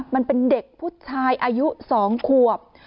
มันเป็นเด็กผู้ชายอายุ๒ขวบ